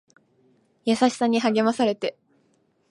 優しさに励まされて